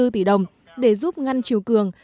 hai mươi tỷ đồng để giúp ngăn chiều cường